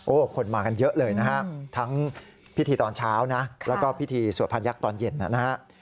โอ้คนมากันเยอะเลยทั้งพิธีตอนเช้าแล้วก็พิธีสวดพานยักษ์ตอนเย็น